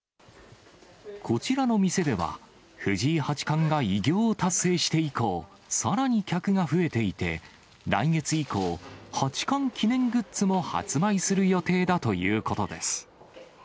こちらの店では、藤井八冠が偉業を達成して以降、さらに客が増えていて、来月以降、八冠記念グッズも発売する予定だということです。